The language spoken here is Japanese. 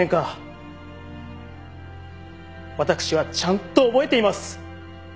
私はちゃんと覚えています。